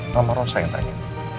mama rosa yang tanya